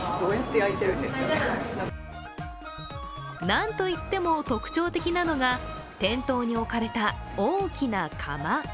なんといっても特徴的なのが、店頭に置かれた大きな窯。